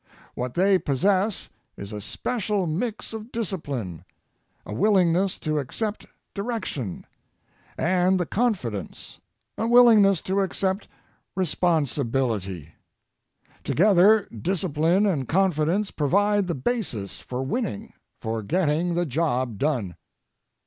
What they possess is a special mix of discipline, a willingness to accept direction, and the confidence, a willingness to accept responsibility. Together, discipline and confidence provide the basis for winning, for getting the job done.